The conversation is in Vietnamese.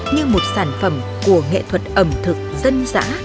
như một sản phẩm của nghệ thuật ẩm thực dân dã